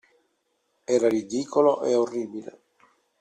Era ridicolo e orribile.